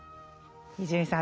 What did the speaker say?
伊集院さん